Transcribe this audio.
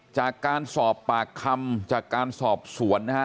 จากการสอบปากคำจากการสอบสวนนะฮะ